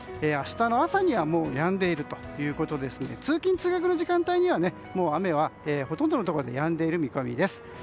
明日の朝にはやんでいるということですので通勤・通学の時間帯には雨はほとんどのところでやんでいる見込みです。